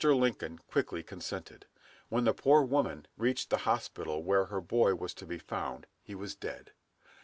Lincoln quickly consented. When the poor woman reached the hospital where her boy was to be found, he was dead.